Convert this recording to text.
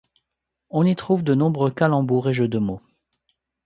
On y trouve de nombreux calembours et jeux de mots.